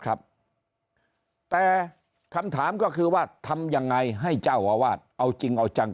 ครับแต่คำถามก็คือว่าทำยังไงให้เจ้าอาวาสเอาจริงเอาจัง